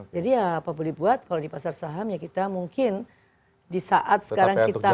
jadi apa boleh buat kalau di pasar saham ya kita mungkin di saat sekarang kita